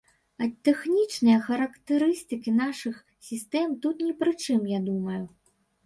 А тэхнічныя характарыстыкі нашых сістэм тут ні пры чым, я думаю.